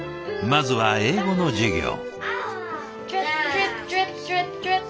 まずは英語の授業。